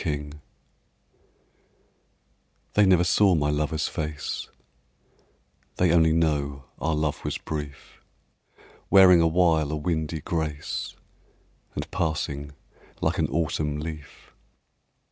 PITY THEY never saw my lover's face, They only know our love was brief, Wearing awhile a windy grace And passing like an autumn leaf.